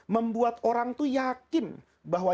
membuat orang yakin bahwa